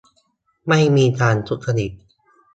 ไม่มีการทุจริต